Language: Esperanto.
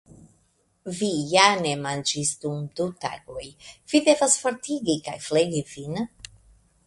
Vi ja ne manĝis dum du tagoj; vi devas fortigi kaj flegi vin